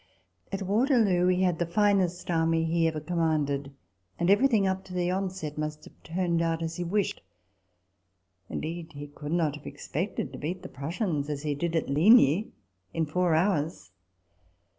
] At Waterloo he had the finest army he ever commanded ; and everything up to the onset must have turned out as he wished. Indeed he could not have expected to beat the Prussians, as he did at Ligny,* in four hours.